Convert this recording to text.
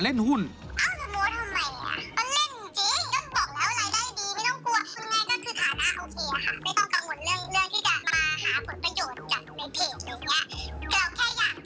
ไม่ต้องกังวลเรื่องที่จะมาหาผลประโยชน์ในเพลงอย่างนี้